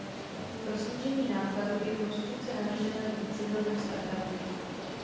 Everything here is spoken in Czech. Pro snížení nákladů je konstrukce navržena dle civilních standardů.